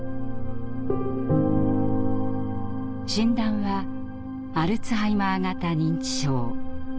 診断は「アルツハイマー型認知症」。